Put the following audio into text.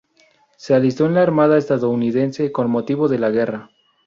Se alistó en la Armada estadounidense con motivo de la guerra.